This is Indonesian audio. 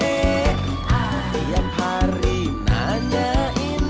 ah tiap hari nanyain